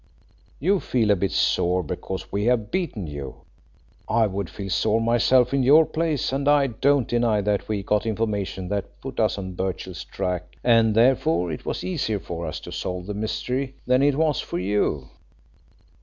You feel a bit sore because we have beaten you. I would feel sore myself in your place, and I don't deny that we got information that put us on Birchill's track, and therefore it was easier for us to solve the mystery than it was for you."